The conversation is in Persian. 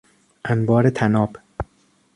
انبار طناب